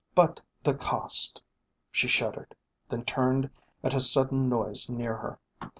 But the cost! She shuddered, then turned at a sudden noise near her.